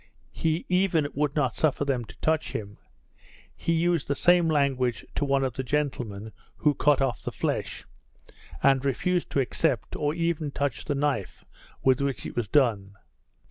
He even would not suffer them to touch him; he used the same language to one of the gentlemen who cut off the flesh; and refused to accept, or even touch the knife with which it was done.